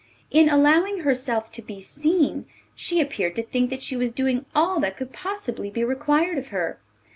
In allowing herself to be seen, she appeared to think that she was doing all that could possibly be required of her.